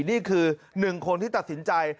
นี่คือหนึ่งคนที่ตัดสินใจ